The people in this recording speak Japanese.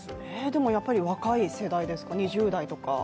でもやっぱり若い世代ですか、２０代とか。